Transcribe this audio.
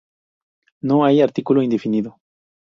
No hay artículo indefinido.